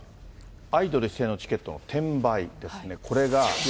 アイドル出演のチケットの転売ですね。